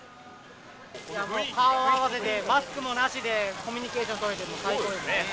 顔合わせて、マスクもなしで、コミュニケーション取れてるの最高です。